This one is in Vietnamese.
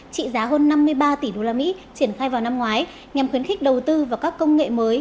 trị giá hơn năm mươi ba tỷ usd triển khai vào năm ngoái nhằm khuyến khích đầu tư vào các công nghệ mới